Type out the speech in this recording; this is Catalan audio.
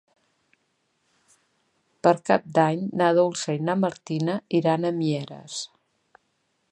Per Cap d'Any na Dolça i na Martina iran a Mieres.